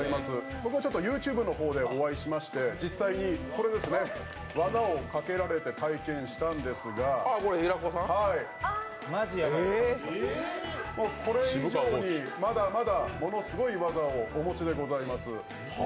僕もＹｏｕＴｕｂｅの方でお会いしまして実際に技をかけられて体験したんですがこれ以上にまだまだものすごい技をお持ちでございます。